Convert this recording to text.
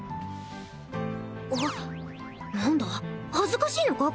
何だ恥ずかしいのか？